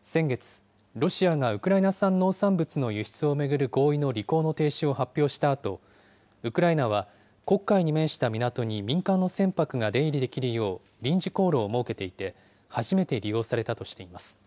先月、ロシアがウクライナ産農産物の輸出を巡る合意の履行の停止を発表したあと、ウクライナは黒海に面した港に民間の船舶が出入りできるよう臨時航路を設けていて、初めて利用されたとしています。